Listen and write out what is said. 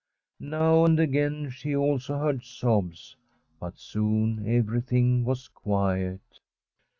Now and again she also heard sobs ; but soon everything was quiet.